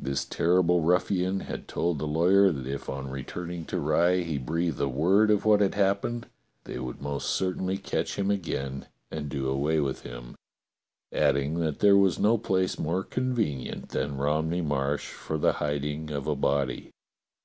This terrible ruffian had told the lawyer that if on returning to Rye he breathed a word of what had happened they would most certainly catch him again and do away with him, adding that there was no place more convenient than Romney Marsh for the hiding of a body.